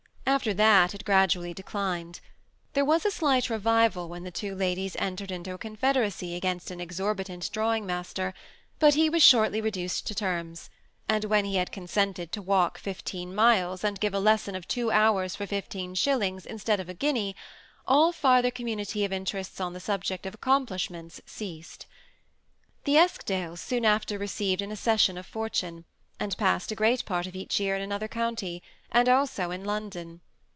After that it gradually' declined. There was a slight revival when the two ladies entered into a confederacy against an exorbitant drawing master ; but he was shortly reduced to terms; and when he had consented to walk fifteen miles, and give a lesson of two hours for fifteen shillings, instead of a guinea, all further community of interests on the subject of accom plishments ceased. The Eskdales soon after received an accession of fortune, and passed a great part of each year in another county, and also in London.